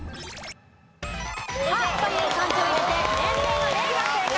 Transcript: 「歯」という漢字を入れて年齢の「齢」が正解。